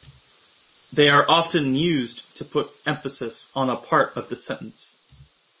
They are often used to put emphasis on a part of the sentence.